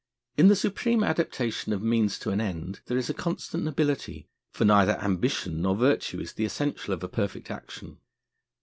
In the supreme adaptation of means to an end there is a constant nobility, for neither ambition nor virtue is the essential of a perfect action.